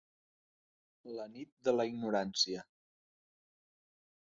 La nit de la ignorància.